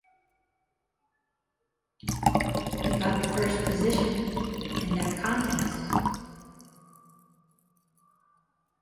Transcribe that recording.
He got the first position in that contest.